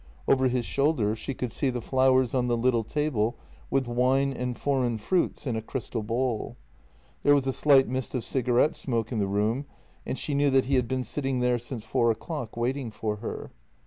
Over his shoulder she could see the flowers on the little table, with wine and foreign fruits in a crystal bowl. There was a slight mist of cigarette smoke in the room, and she knew that he had been sitting there since four o'clock waiting for her.